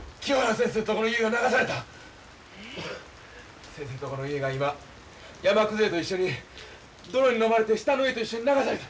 先生のとこの家が今山崩れと一緒に泥にのまれて下の家と一緒に流された。